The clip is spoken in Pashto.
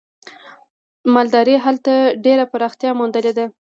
مالدارۍ هلته ډېره پراختیا موندلې ده.